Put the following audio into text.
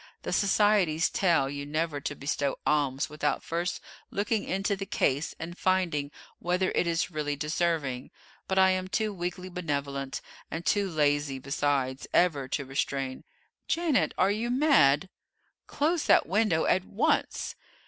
The societies tell you never to bestow alms without first looking into the case and finding whether it is really deserving; but I am too weakly benevolent, and too lazy, besides, ever to restrain Janet, are you mad? Close that window at once!"